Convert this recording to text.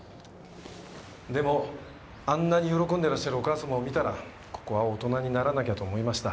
でもあんなに喜んでらっしゃるお母様を見たらここは大人にならなきゃと思いました。